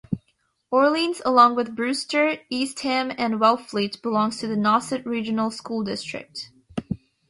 Orleans, along with Brewster, Eastham and Wellfleet, belongs to the Nauset Regional School District.